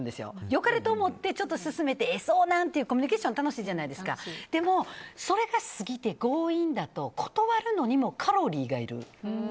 良かれと思って、そうなん？ってコミュニケーション楽しいじゃないですかでもそれが過ぎて強引だと断るのにもカロリーがいる。